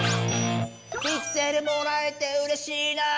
「ピクセルもらえてうれしいな」